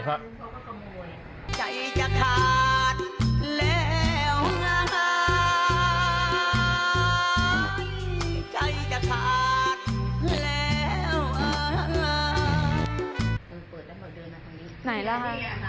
มาขี้จริง